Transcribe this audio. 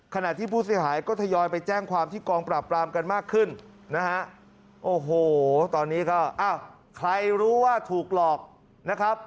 ขณะที่ผู้เสียหายก็ทยอยไปแจ้งความที่กองปราบปรามกันมากขึ้นนะฮะโอ้โหตอนนี้ก็อ้าวใครรู้ว่าถูกหลอกนะครับ